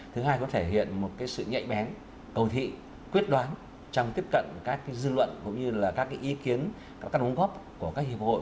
thứ hai có thể hiện một sự nhạy bén cầu thị quyết đoán trong tiếp cận các dư luận cũng như là các ý kiến các đồng góp của các hiệp hội